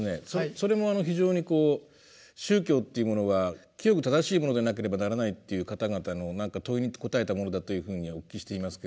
それも非常にこう宗教というものが清く正しいものでなければならないという方々の問いに答えたものだというふうにお聞きしていますけれども。